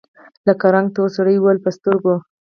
له رنګه تور سړي وويل: په سترګو!